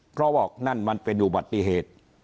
เพราะว่านั่นมันเป็นอุบัติเหตุ